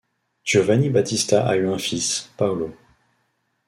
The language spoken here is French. Giovanni Battista a eu un fils, Paolo.